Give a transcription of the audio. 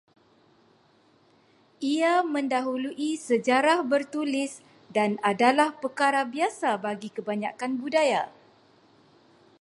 Ia mendahului sejarah bertulis dan adalah perkara biasa bagi kebanyakan budaya